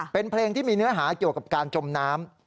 เป็นเพลงที่มีเนื้อหาเกี่ยวกับการจมน้ำ